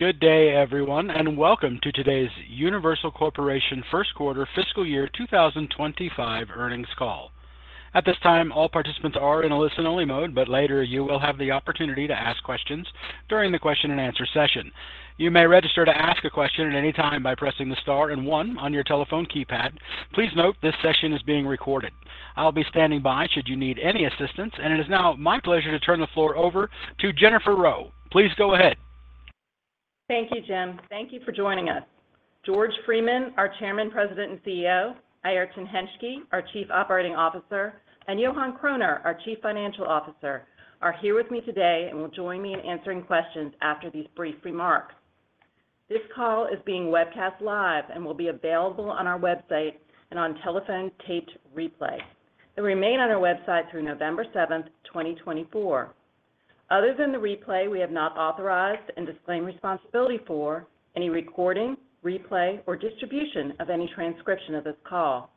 Good day, everyone, and welcome to today's Universal Corporation first quarter fiscal year 2025 earnings call. At this time, all participants are in a listen-only mode, but later you will have the opportunity to ask questions during the question-and-answer session. You may register to ask a question at any time by pressing the star and one on your telephone keypad. Please note, this session is being recorded. I'll be standing by should you need any assistance, and it is now my pleasure to turn the floor over to Jennifer Rowe. Please go ahead. Thank you, Jim. Thank you for joining us. George Freeman, our Chairman, President, and CEO, Airton Hentschke, our Chief Operating Officer, and Johan Kroner, our Chief Financial Officer, are here with me today and will join me in answering questions after these brief remarks. This call is being webcast live and will be available on our website and on telephone taped replay. It will remain on our website through November seventh, 2024. Other than the replay, we have not authorized and disclaim responsibility for any recording, replay, or distribution of any transcription of this call.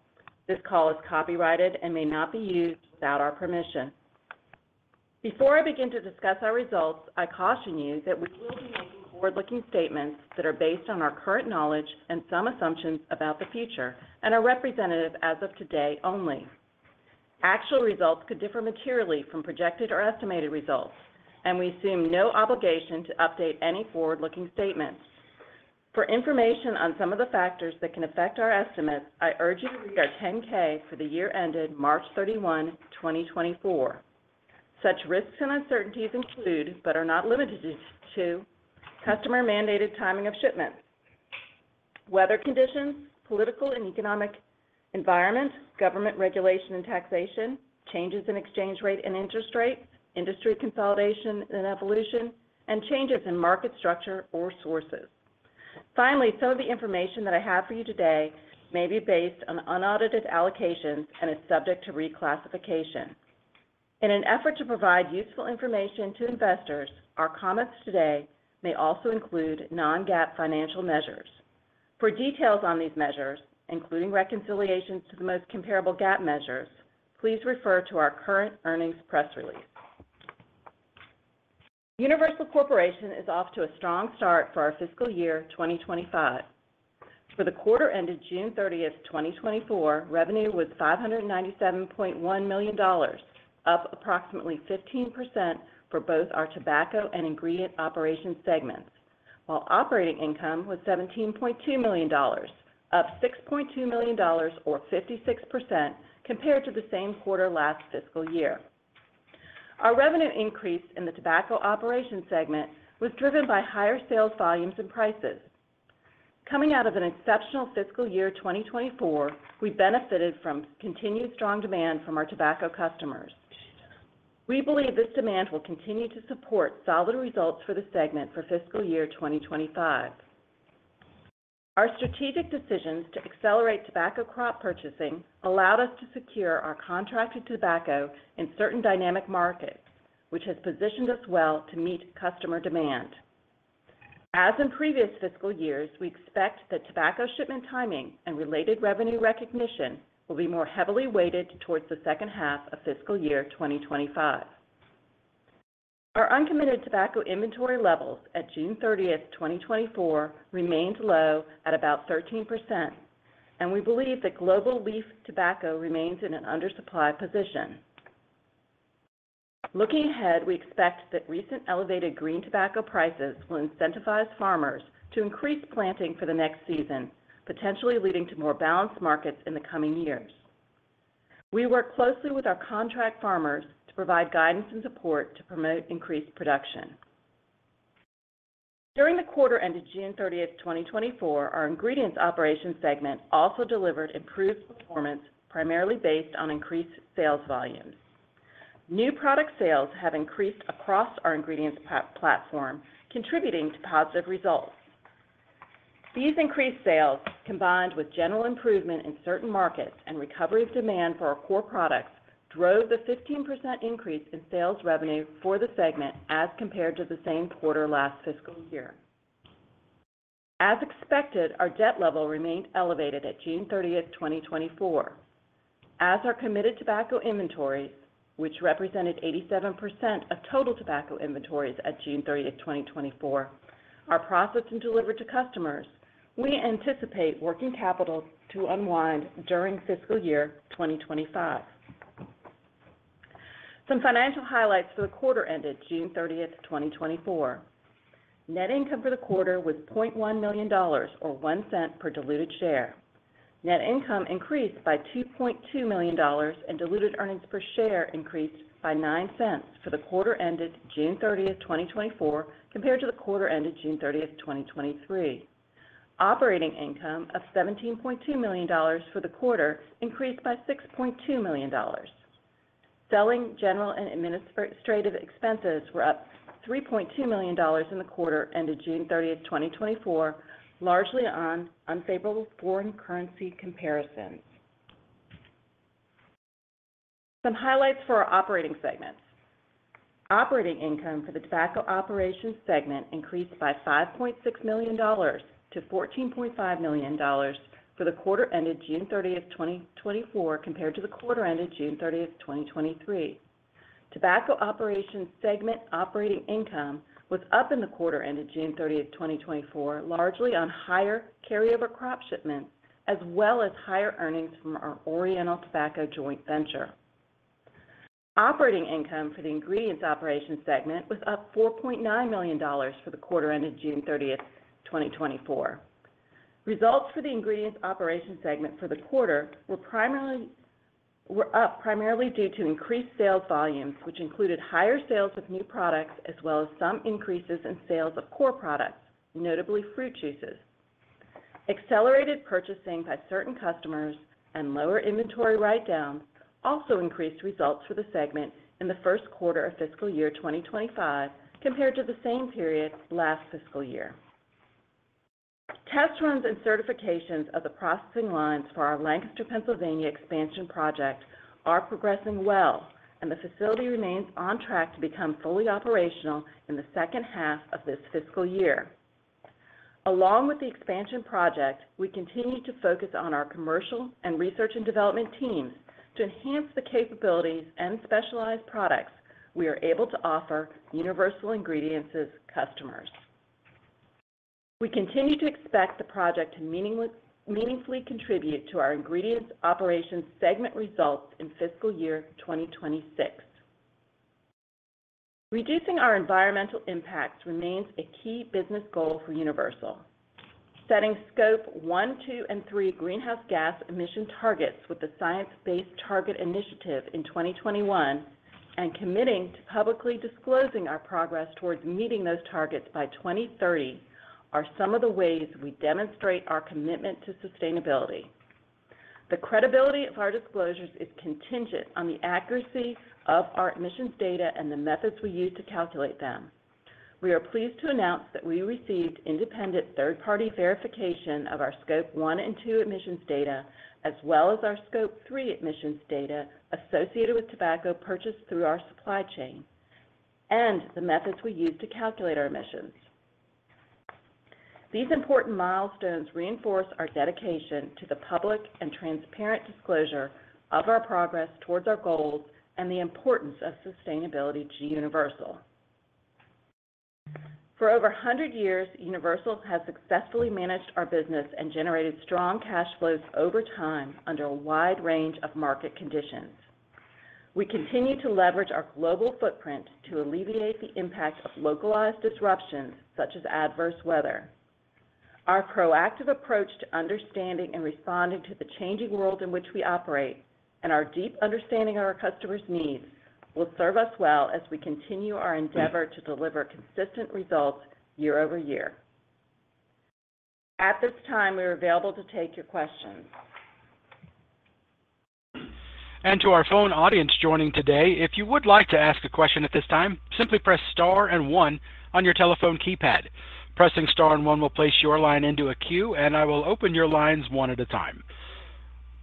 This call is copyrighted and may not be used without our permission. Before I begin to discuss our results, I caution you that we will be making forward-looking statements that are based on our current knowledge and some assumptions about the future and are representative as of today only. Actual results could differ materially from projected or estimated results, and we assume no obligation to update any forward-looking statements. For information on some of the factors that can affect our estimates, I urge you to read our 10-K for the year ended March 31, 2024. Such risks and uncertainties include, but are not limited to, customer-mandated timing of shipments, weather conditions, political and economic environment, government regulation and taxation, changes in exchange rate and interest rates, industry consolidation and evolution, and changes in market structure or sources. Finally, some of the information that I have for you today may be based on unaudited allocations and is subject to reclassification. In an effort to provide useful information to investors, our comments today may also include non-GAAP financial measures. For details on these measures, including reconciliations to the most comparable GAAP measures, please refer to our current earnings press release. Universal Corporation is off to a strong start for our fiscal year 2025. For the quarter ended June 30th, 2024, revenue was $597.1 million, up approximately 15% for both our tobacco and ingredient operations segments, while operating income was $17.2 million, up $6.2 million or 56% compared to the same quarter last fiscal year. Our revenue increase in the Tobacco Operations segment was driven by higher sales volumes and prices. Coming out of an exceptional fiscal year 2024, we benefited from continued strong demand from our tobacco customers. We believe this demand will continue to support solid results for the segment for fiscal year 2025. Our strategic decisions to accelerate tobacco crop purchasing allowed us to secure our contracted tobacco in certain dynamic markets, which has positioned us well to meet customer demand. As in previous fiscal years, we expect that tobacco shipment timing and related revenue recognition will be more heavily weighted towards the second half of fiscal year 2025. Our uncommitted tobacco inventory levels at June 30th, 2024, remained low at about 13%, and we believe that global leaf tobacco remains in an undersupply position. Looking ahead, we expect that recent elevated green tobacco prices will incentivize farmers to increase planting for the next season, potentially leading to more balanced markets in the coming years. We work closely with our contract farmers to provide guidance and support to promote increased production. During the quarter ended June 30th, 2024, our Ingredients Operations segment also delivered improved performance, primarily based on increased sales volumes. New product sales have increased across our ingredients platform, contributing to positive results. These increased sales, combined with general improvement in certain markets and recovery of demand for our core products, drove the 15% increase in sales revenue for the segment as compared to the same quarter last fiscal year. As expected, our debt level remained elevated at June 30th, 2024. As our committed tobacco inventories, which represented 87% of total tobacco inventories at June 30th, 2024, are processed and delivered to customers, we anticipate working capital to unwind during fiscal year 2025. Some financial highlights for the quarter ended June 30th, 2024. Net income for the quarter was $0.1 million, or $0.01 per diluted share. Net income increased by $2.2 million, and diluted earnings per share increased by $0.09 for the quarter ended June 30th, 2024, compared to the quarter ended June 30th, 2023. Operating income of $17.2 million for the quarter increased by $6.2 million. Selling, general, and administrative expenses were up $3.2 million in the quarter ended June 30th, 2024, largely on unfavorable foreign currency comparisons. Some highlights for our operating segments. Operating income for the Tobacco Operations segment increased by $5.6 million-$14.5 million for the quarter ended June 30th, 2024, compared to the quarter ended June 30th, 2023. Tobacco Operations segment operating income was up in the quarter ended June 30th, 2024, largely on higher carryover crop shipments, as well as higher earnings from our Oriental tobacco joint venture. Operating income for the Ingredients Operations segment was up $4.9 million for the quarter ended June 30th, 2024. Results for the Ingredients Operations segment for the quarter were up primarily due to increased sales volumes, which included higher sales of new products, as well as some increases in sales of core products, notably fruit juices. Accelerated purchasing by certain customers and lower inventory write-downs also increased results for the segment in the first quarter of fiscal year 2025, compared to the same period last fiscal year. Test runs and certifications of the processing lines for our Lancaster, Pennsylvania expansion project are progressing well, and the facility remains on track to become fully operational in the second half of this fiscal year. Along with the expansion project, we continue to focus on our commercial and research and development teams to enhance the capabilities and specialized products we are able to offer Universal Ingredients customers. We continue to expect the project to meaningfully contribute to our Ingredients Operations segment results in fiscal year 2026. Reducing our environmental impacts remains a key business goal for Universal. Setting Scope 1, 2, and 3 greenhouse gas emission targets with the Science Based Targets initiative in 2021, and committing to publicly disclosing our progress towards meeting those targets by 2030, are some of the ways we demonstrate our commitment to sustainability. The credibility of our disclosures is contingent on the accuracy of our emissions data and the methods we use to calculate them. We are pleased to announce that we received independent third-party verification of our Scope 1, and 2 emissions data, as well as our Scope 3 emissions data associated with tobacco purchased through our supply chain, and the methods we use to calculate our emissions. These important milestones reinforce our dedication to the public and transparent disclosure of our progress towards our goals and the importance of sustainability to Universal. For over a hundred years, Universal has successfully managed our business and generated strong cash flows over time under a wide range of market conditions. We continue to leverage our global footprint to alleviate the impact of localized disruptions, such as adverse weather. Our proactive approach to understanding and responding to the changing world in which we operate, and our deep understanding of our customers' needs, will serve us well as we continue our endeavor to deliver consistent results year-over-year. At this time, we are available to take your questions. To our phone audience joining today, if you would like to ask a question at this time, simply press star and one on your telephone keypad. Pressing star and one will place your line into a queue, and I will open your lines one at a time.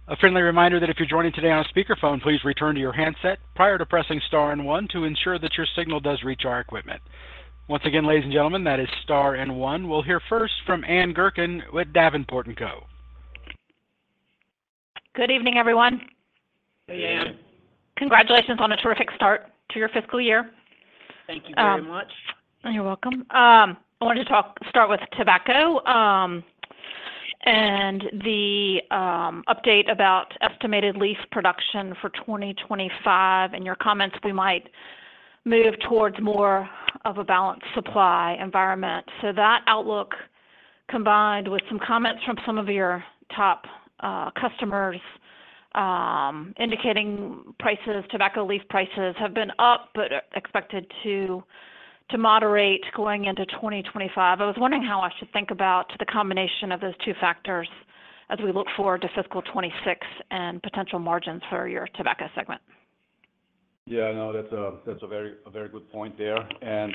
A friendly reminder that if you're joining today on a speakerphone, please return to your handset prior to pressing star and one to ensure that your signal does reach our equipment. Once again, ladies and gentlemen, that is star and one. We'll hear first from Ann Gurkin with Davenport & Co. Good evening, everyone. Hey, Ann. Congratulations on a terrific start to your fiscal year. Thank you very much. You're welcome. I wanted to start with tobacco, and the update about estimated leaf production for 2025, and your comments we might move towards more of a balanced supply environment. So that outlook, combined with some comments from some of your top customers, indicating prices, tobacco leaf prices have been up but are expected to moderate going into 2025. I was wondering how I should think about the combination of those two factors as we look forward to fiscal 2026 and potential margins for your tobacco segment. Yeah, no, that's a very good point there. And,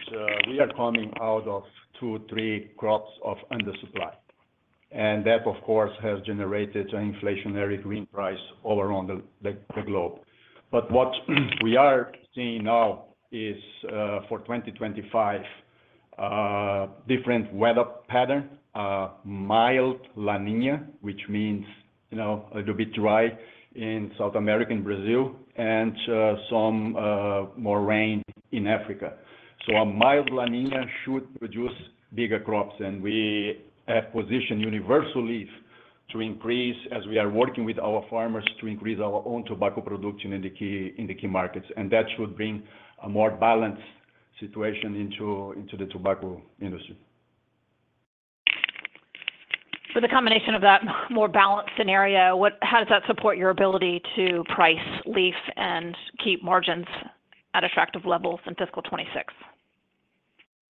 we are coming out of two, three crops of under supply, and that, of course, has generated an inflationary green price all around the globe. But what we are seeing now is, for 2025, different weather pattern, a mild La Niña, which means, you know, a little bit dry in South America and Brazil, and some more rain in Africa. So a mild La Niña should produce bigger crops, and we have positioned Universal Leaf to increase, as we are working with our farmers to increase our own tobacco production in the key markets, and that should bring a more balanced situation into the tobacco industry. So the combination of that more balanced scenario, how does that support your ability to price leaf and keep margins at attractive levels in fiscal 2026?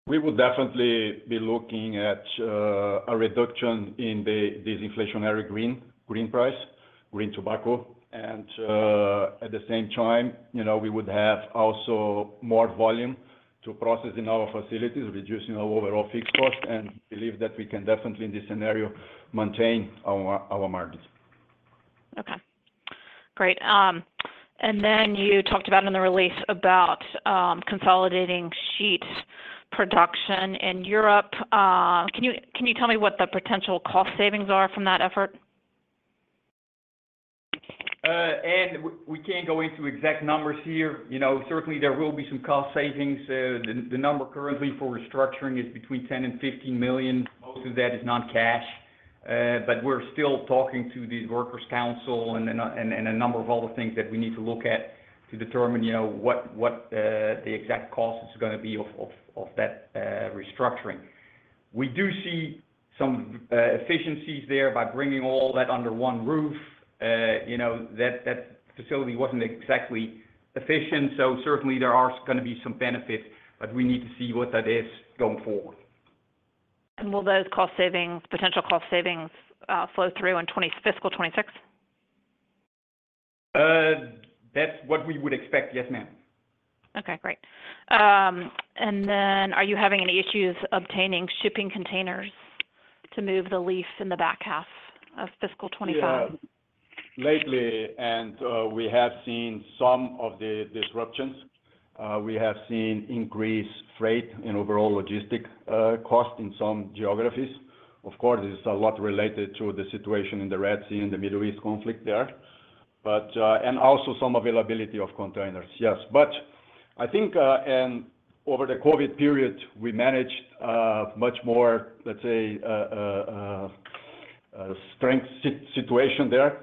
We will definitely be looking at a reduction in this inflationary green price, green tobacco. And at the same time, you know, we would have also more volume to process in our facilities, reducing our overall fixed cost, and believe that we can definitely, in this scenario, maintain our margins. Okay, great. And then you talked about in the release about consolidating sheet production in Europe. Can you tell me what the potential cost savings are from that effort? And we can't go into exact numbers here. You know, certainly there will be some cost savings. The number currently for restructuring is between $10 million and $15 million. Most of that is non-cash, but we're still talking to the workers' council and then, and a number of other things that we need to look at to determine, you know, what the exact cost is gonna be of that restructuring. We do see some efficiencies there by bringing all that under one roof. You know, that facility wasn't exactly efficient, so certainly there are gonna be some benefits, but we need to see what that is going forward. Will those cost savings, potential cost savings, flow through in fiscal 2026? That's what we would expect. Yes, ma'am. Okay, great. And then are you having any issues obtaining shipping containers to move the leaf in the back half of fiscal 25? Yeah. Lately, we have seen some of the disruptions. We have seen increased freight and overall logistics costs in some geographies. Of course, it's a lot related to the situation in the Red Sea and the Middle East conflict there, but... Also some availability of containers. Yes. But I think, and over the COVID period, we managed much more, let's say, a stronger situation there.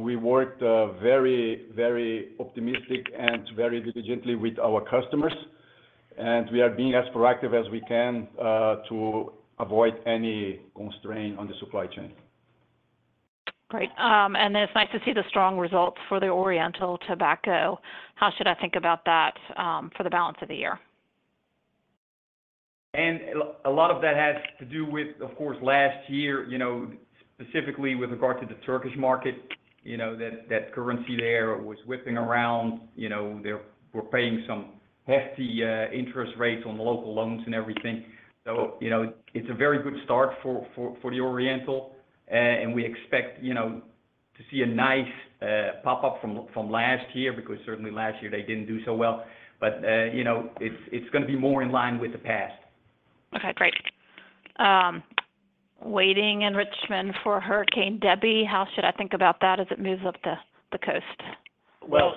We worked very, very optimistic and very diligently with our customers, and we are being as proactive as we can to avoid any constraint on the supply chain. Great. And it's nice to see the strong results for the Oriental tobacco. How should I think about that, for the balance of the year? A lot of that has to do with, of course, last year, you know, specifically with regard to the Turkish market, you know, that, that currency there was whipping around. You know, they were paying some hefty interest rates on the local loans and everything. So, you know, it's a very good start for the Oriental, and we expect, you know, to see a nice pop-up from last year, because certainly last year they didn't do so well. But, you know, it's gonna be more in line with the past. Okay, great. Waiting in Richmond for Hurricane Debby, how should I think about that as it moves up the coast? Well,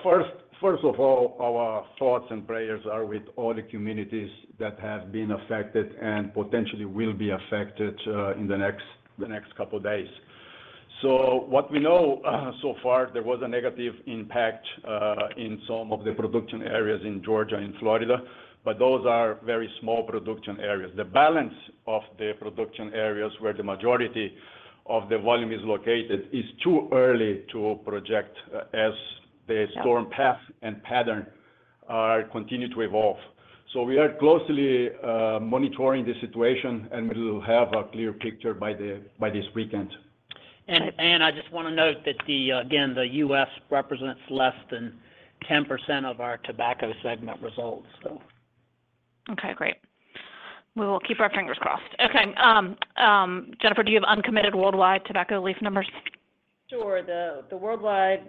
first of all, our thoughts and prayers are with all the communities that have been affected and potentially will be affected in the next couple of days. So what we know so far, there was a negative impact in some of the production areas in Georgia and Florida, but those are very small production areas. The balance of the production areas where the majority of the volume is located is too early to project as the- Yeah ...storm path and pattern continue to evolve. So we are closely monitoring the situation, and we will have a clear picture by this weekend. Great. Ann, I just wanna note that the, again, the U.S. represents less than 10% of our tobacco segment results, so. Okay, great. We will keep our fingers crossed. Okay, Jennifer, do you have uncommitted worldwide tobacco leaf numbers? Sure. The worldwide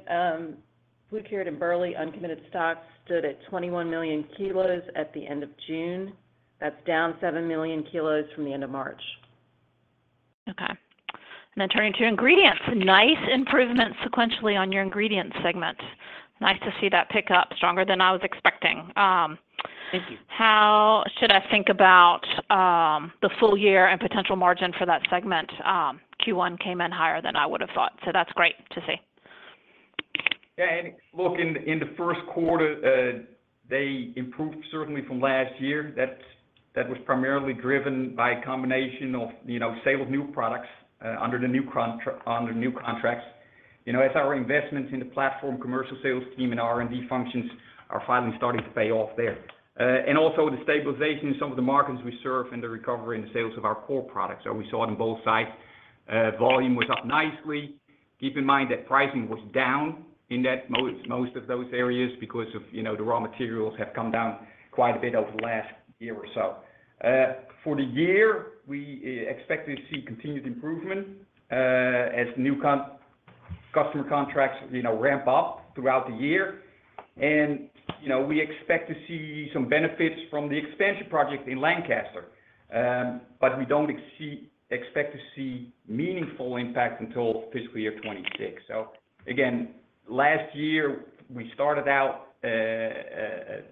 flue-cured and burley uncommitted stocks stood at 21 million kilos at the end of June. That's down 7 million kilos from the end of March. Okay. And then turning to ingredients, nice improvement sequentially on your ingredients segment. Nice to see that pick up, stronger than I was expecting. Thank you. How should I think about, the full year and potential margin for that segment? Q1 came in higher than I would have thought, so that's great to see. Yeah, and look, in the first quarter, they improved certainly from last year. That was primarily driven by a combination of, you know, sale of new products, under new contracts. You know, as our investments in the platform commercial sales team and R&D functions are finally starting to pay off there. And also the stabilization in some of the markets we serve and the recovery in the sales of our core products. So we saw it on both sides. Volume was up nicely. Keep in mind that pricing was down in that most of those areas because of, you know, the raw materials have come down quite a bit over the last year or so. For the year, we expect to see continued improvement, as customer contracts, you know, ramp up throughout the year. You know, we expect to see some benefits from the expansion project in Lancaster, but we don't expect to see meaningful impact until fiscal year 2026. So again, last year, we started out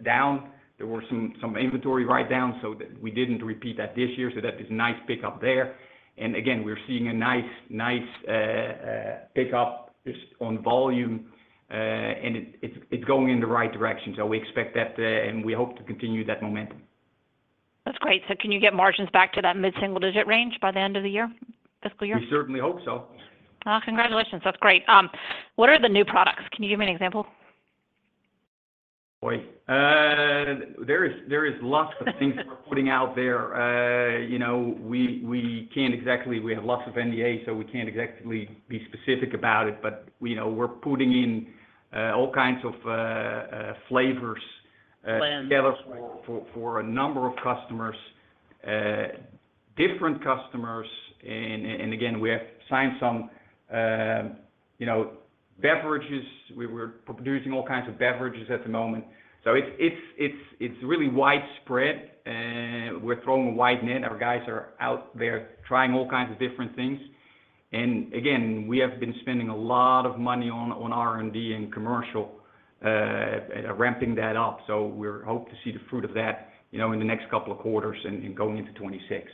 down. There were some inventory write-downs, so we didn't repeat that this year, so that is a nice pick up there. And again, we're seeing a nice pick up just on volume, and it's going in the right direction. So we expect that, and we hope to continue that momentum. That's great. So can you get margins back to that mid-single digit range by the end of the year, fiscal year? We certainly hope so. Congratulations. That's great. What are the new products? Can you give me an example? Boy, there is lots of things. We're putting out there. You know, we can't exactly. We have lots of NDA, so we can't exactly be specific about it, but, you know, we're putting in all kinds of flavors, flavors. Blends... for a number of customers, different customers. And again, we have signed some, you know, beverages, we're producing all kinds of beverages at the moment. So it's really widespread, and we're throwing a wide net. Our guys are out there trying all kinds of different things. And again, we have been spending a lot of money on R&D and commercial, ramping that up. So we hope to see the fruit of that, you know, in the next couple of quarters and going into 2026.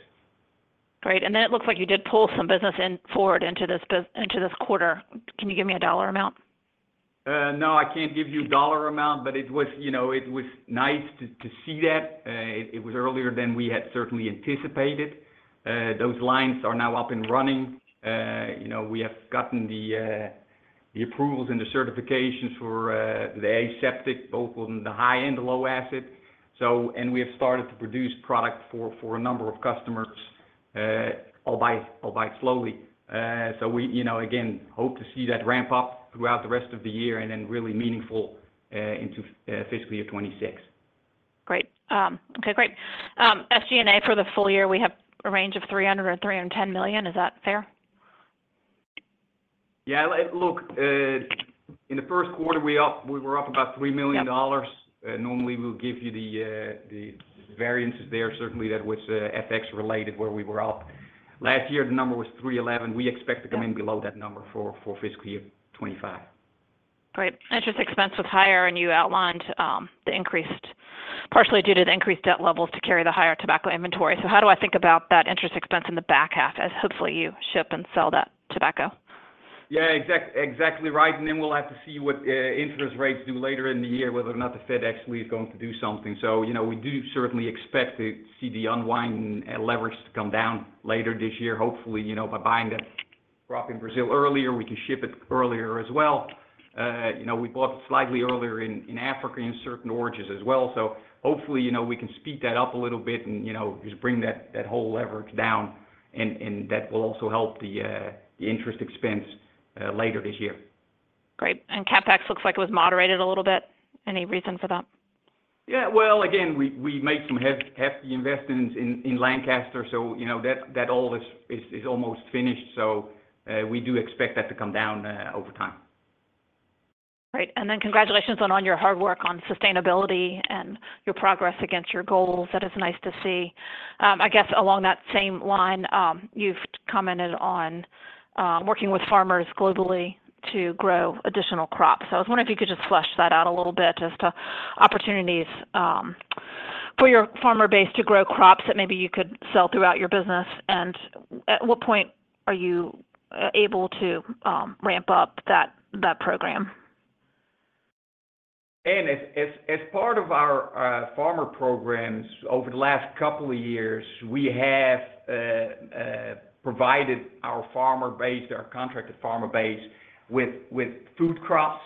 Great. And then it looks like you did pull some business forward into this quarter. Can you give me a dollar amount? No, I can't give you a dollar amount, but it was, you know, it was nice to, to see that. It, it was earlier than we had certainly anticipated. Those lines are now up and running. You know, we have gotten the, the approvals and the certifications for, the aseptic, both on the high and the low acid. So, and we have started to produce product for, for a number of customers, albeit, albeit slowly. So we, you know, again, hope to see that ramp up throughout the rest of the year and then really meaningful, into, fiscal year 2026. Great. Okay, great. SG&A for the full year, we have a range of $300 million-$310 million. Is that fair? Yeah, look, in the first quarter, we were up about $3 million. Yeah. Normally, we'll give you the variances there. Certainly, that was FX related, where we were up. Last year, the number was $311. We expect- Yeah ...to come in below that number for fiscal year 2025. Great. Interest expense was higher, and you outlined, the increased, partially due to the increased debt levels to carry the higher tobacco inventory. So how do I think about that interest expense in the back half as hopefully you ship and sell that tobacco? Yeah, exactly right. Then we'll have to see what interest rates do later in the year, whether or not the Fed actually is going to do something. So, you know, we do certainly expect to see the unwind leverage to come down later this year. Hopefully, you know, by buying that crop in Brazil earlier, we can ship it earlier as well. You know, we bought it slightly earlier in Africa, in certain origins as well. So hopefully, you know, we can speed that up a little bit and, you know, just bring that whole leverage down, and that will also help the interest expense later this year. Great. CapEx looks like it was moderated a little bit. Any reason for that? Yeah. Well, again, we made some hefty investments in Lancaster, so you know, that all is almost finished. So, we do expect that to come down over time. Great. And then congratulations on all your hard work on sustainability and your progress against your goals. That is nice to see. I guess along that same line, you've commented on working with farmers globally to grow additional crops. So I was wondering if you could just flesh that out a little bit as to opportunities for your farmer base to grow crops that maybe you could sell throughout your business, and at what point are you able to ramp up that, that program? As part of our farmer programs over the last couple of years, we have provided our farmer base, our contracted farmer base, with food crops.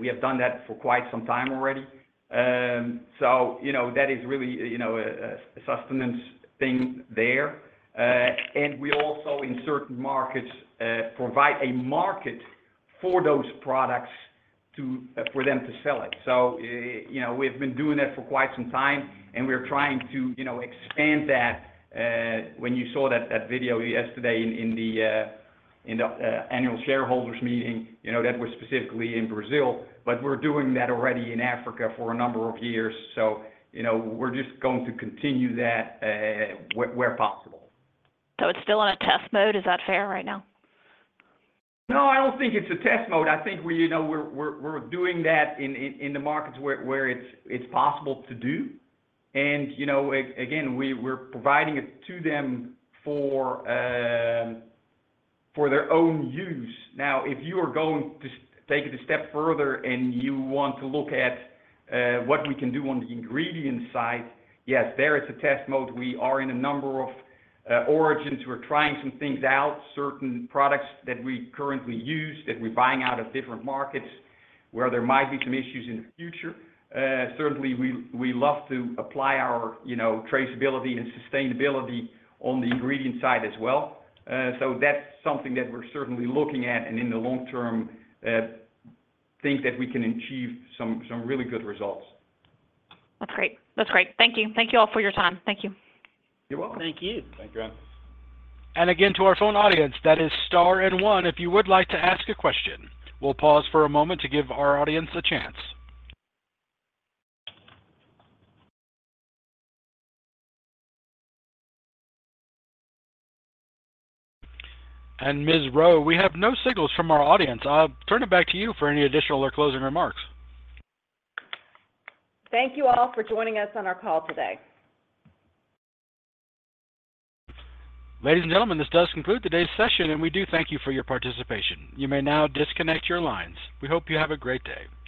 We have done that for quite some time already. So you know, that is really you know, a sustenance thing there. And we also, in certain markets, provide a market for those products to for them to sell it. So you know, we've been doing that for quite some time, and we're trying to you know, expand that. When you saw that video yesterday in the annual shareholders meeting, you know, that was specifically in Brazil, but we're doing that already in Africa for a number of years. So you know, we're just going to continue that where possible. It's still in a test mode. Is that fair right now? No, I don't think it's a test mode. I think we, you know, we're doing that in the markets where it's possible to do. And, you know, again, we're providing it to them for their own use. Now, if you are going to take it a step further and you want to look at what we can do on the ingredient side, yes, there is a test mode. We are in a number of origins. We're trying some things out, certain products that we currently use, that we're buying out of different markets, where there might be some issues in the future. Certainly, we love to apply our, you know, traceability and sustainability on the ingredient side as well. That's something that we're certainly looking at, and in the long term, think that we can achieve some, some really good results. That's great. That's great. Thank you. Thank you all for your time. Thank you. You're welcome. Thank you. Thank you. And again, to our phone audience, that is star and one, if you would like to ask a question. We'll pause for a moment to give our audience a chance. And Ms. Rowe, we have no signals from our audience. I'll turn it back to you for any additional or closing remarks. Thank you all for joining us on our call today. Ladies and gentlemen, this does conclude today's session, and we do thank you for your participation. You may now disconnect your lines. We hope you have a great day.